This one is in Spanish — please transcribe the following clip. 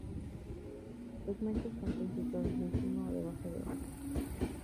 Los machos cantan situados encima o debajo de hojas.